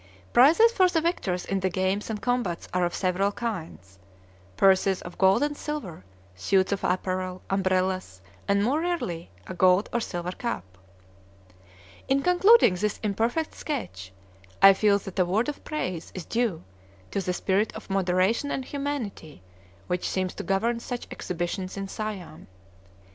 Prizes for the victors in the games and combats are of several kinds, purses of gold and silver, suits of apparel, umbrellas, and, more rarely, a gold or silver cup. In concluding this imperfect sketch, I feel that a word of praise is due to the spirit of moderation and humanity which seems to govern such exhibitions in Siam.